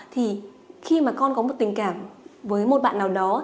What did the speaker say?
thì khi mà con có một tình cảm với một bạn nào đó